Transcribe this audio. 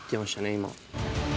今。